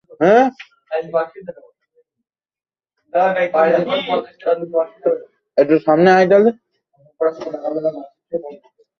তবে স্থানীয় মানুষের চাপে রোগীকে দুই লাখ টাকা দিতে রাজি হয়েছি।